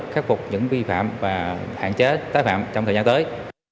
khắc phục những vi phạm và hạn chế tái phạm trong thời gian tới